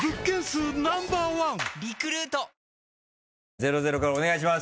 ０−０からお願いします。